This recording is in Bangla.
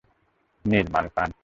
নিন, মাল খান।